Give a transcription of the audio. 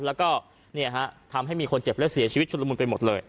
แล้วก็ทำให้มีคนเจ็บและเสียชีวิตชุดละมุนไปหมดเลย